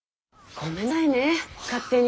ごめんなさいね勝手に。